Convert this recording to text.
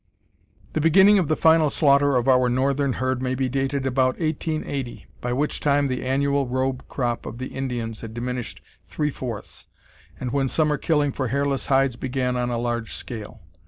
The beginning of the final slaughter of our northern herd may be dated about 1880, by which time the annual robe crop of the Indians had diminished three fourths, and when summer killing for hairless hides began on a large scale.